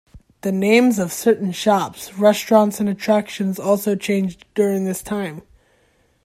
The names of certain shops, restaurants, and attractions also changed during this time.